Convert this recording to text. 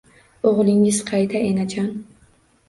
— O’g’lingiz qayda, enajon?